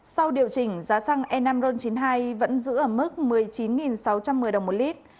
sau điều chỉnh giá xăng e năm ron chín mươi hai vẫn giữ ở mức một mươi chín sáu trăm một mươi đồng một lít